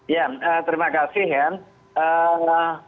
ya terima kasih hans